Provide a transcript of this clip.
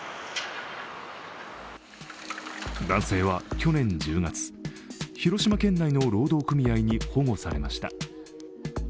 男性は去年１０月、広島県内の労働組合に保護されました。